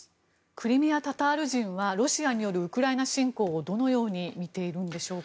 クリミア・タタール人はロシアによるウクライナ侵攻をどのように見ているんでしょうか。